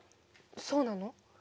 そうなの？